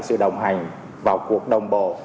sự đồng hành vào cuộc đồng bộ